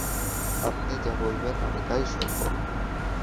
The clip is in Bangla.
আপনি যা বলবেন আমি তাই শুনব।